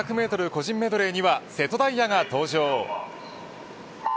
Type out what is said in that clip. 個人メドレーには瀬戸大也が登場。